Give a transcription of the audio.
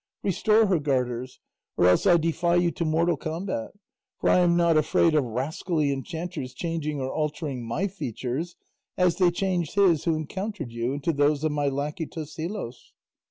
Restore her garters, or else I defy you to mortal combat, for I am not afraid of rascally enchanters changing or altering my features as they changed his who encountered you into those of my lacquey, Tosilos."